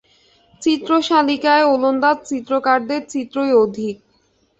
চিত্রশালিকায় ওলন্দাজ চিত্রকারদের চিত্রই অধিক।